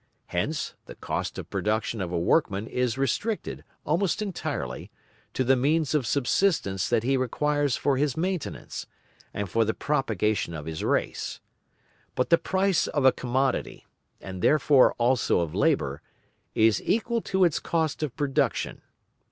Hence, the cost of production of a workman is restricted, almost entirely, to the means of subsistence that he requires for his maintenance, and for the propagation of his race. But the price of a commodity, and therefore also of labour, is equal to its cost of production.